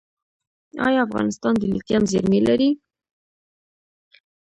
آیا افغانستان د لیتیم زیرمې لري؟